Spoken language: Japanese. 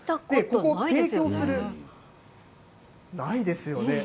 ここ、提供する、ないですよね。